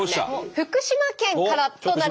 福島県からとなります。